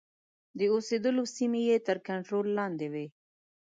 د اوسېدلو سیمې یې تر کنټرول لاندي وې.